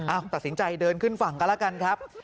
ตัดสินใจเดินขึ้นฝั่งกันแล้วกันครับ